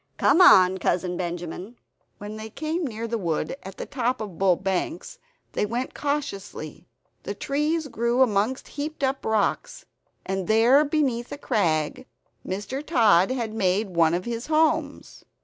Come on, Cousin Benjamin!" When they came near the wood at the top of Bull Banks, they went cautiously. The trees grew amongst heaped up rocks; and there, beneath a crag, Mr. Tod had made one of his homes.